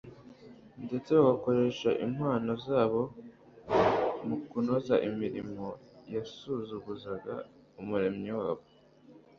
ndetse bagakoresha impano zabo mu kunoza imirimo yasuzuguzaga umuremyi wabo